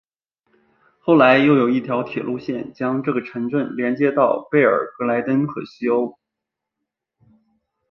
后来又有一条铁路线将这个城镇连接到贝尔格莱德和西欧。